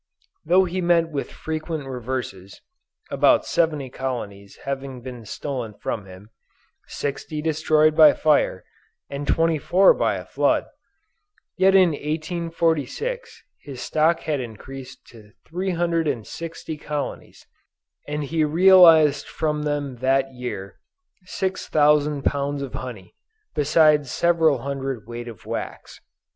Though he met with frequent reverses about 70 colonies having been stolen from him, sixty destroyed by fire, and 24 by a flood yet in 1846 his stock had increased to 360 colonies, and he realized from them that year six thousand pounds of honey, besides several hundred weight of wax.